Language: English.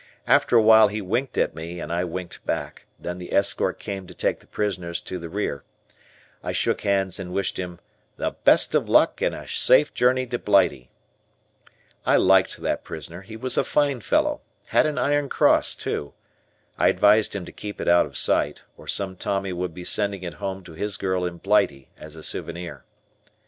After a while he winked at me and I winked back, then the escort came to take the prisoners to the rear. I shook hands and wished him "The best of luck and a safe journey to Blighty." I liked that prisoner, he was a fine fellow, had an Iron Cross, too. I advised him to keep it out of sight, or some Tommy would be sending it home to his girl in Blighty as a souvenir.